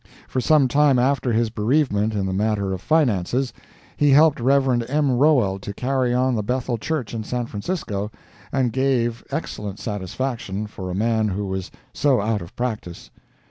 For some time after his bereavement in the matter of finances, he helped Rev. M. Rowell to carry on the Bethel Church in San Francisco and gave excellent satisfaction for a man who was so out of practice.